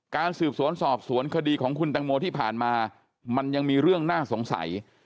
สืบสวนสอบสวนคดีของคุณตังโมที่ผ่านมามันยังมีเรื่องน่าสงสัย